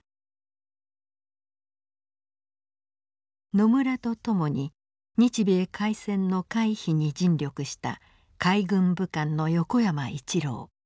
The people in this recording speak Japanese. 野村と共に日米開戦の回避に尽力した海軍武官の横山一郎。